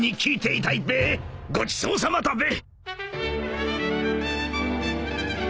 ［ごちそうさまだべ］